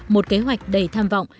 một kế hoạch đầy tham vọng